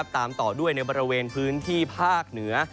ตามต่อด้วยในบริเวณพื้นที่ภาคเหนือ